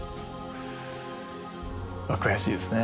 まあ悔しいですね。